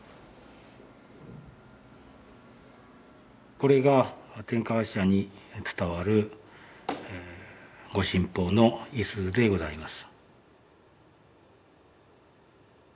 これが天河神社に伝わる御神宝の五十鈴でございます。